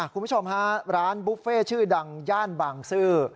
คุณผู้ชมฮะร้านบุฟเฟ่ชื่อดังย่านบางซื่อ